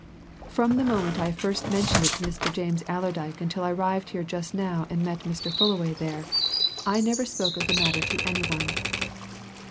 From the moment I first mentioned it to Mr. James Allerdyke until I arrived here just now and met Mr. Fullaway there, I never spoke of the matter to any one!"